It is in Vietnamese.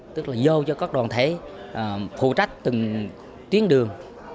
tức là dâu cho các đoàn thể phụ trách từng tuyến đường